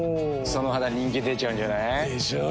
その肌人気出ちゃうんじゃない？でしょう。